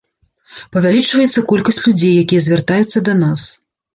Павялічваецца колькасць людзей, якія звяртаюцца да нас.